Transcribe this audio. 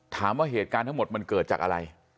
ถามว่าเหตุการณ์ทั้งหมดมันเกิดจากอะไร